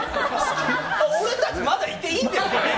俺たちまだ、いていいんですよね？